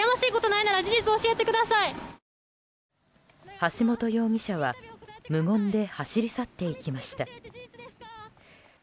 橋本容疑者は無言で走り去っていきました。